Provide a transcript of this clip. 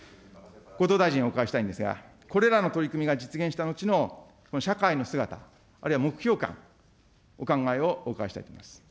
後藤大臣にお伺いしたいんですが、これらの取り組みが実現した後の社会の姿、あるいは目標かん、お考えをお伺いしたいと思います。